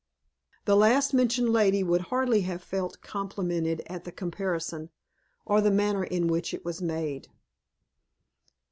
The last mentioned lady would hardly have felt complimented at the comparison, or the manner in which it was made.